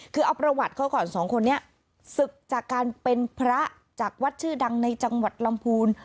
คือเอาประวัติเขาก่อนสองคนนี้ศึกจากการเป็นพระจากวัดชื่อดังในจังหวัดลำพูน